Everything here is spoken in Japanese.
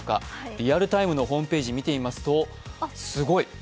リアルタイムのホームページを見てみますと、すごい。